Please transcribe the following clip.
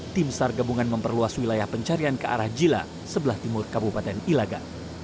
tim sar gabungan memperluas wilayah pencarian ke arah jila sebelah timur kabupaten ilaga